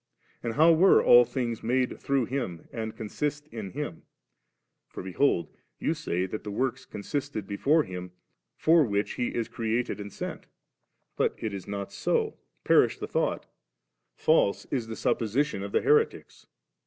and how were all things made through Him and consist in Him ? for behold, you say that the works consisted before Him, for which He is created and sent But it is not so ; perish the thought 1 false is the supposition of the here tics.